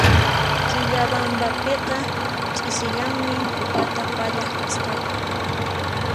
Quillabambapiqa ch'isillanmi kukata pallaq kasqaku